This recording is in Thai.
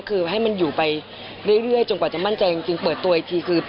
คือให้มันอยู่ไปเรื่อยจนกว่าจะมั่นใจ